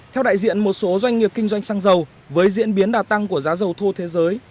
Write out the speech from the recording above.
theo đại diện một số doanh nghiệp kinh doanh xăng dầu với diễn biến đà tăng của giá dầu thô thế giới